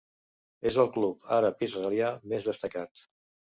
És el club àrab-israelià més destacat.